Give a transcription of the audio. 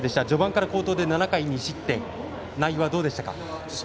序盤から好投で７回２失点内容はどうでしたか。